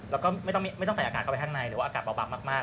แล้วก็ไม่ต้องใส่อากาศเข้าไปข้างในหรือว่าอากาศเบามาก